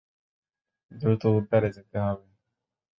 দ্রুত উদ্ধারে যেতে হবে।